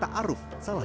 aku baru ke dubai lagi